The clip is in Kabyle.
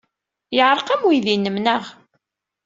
Yeɛreq-am weydi-nnem, naɣ?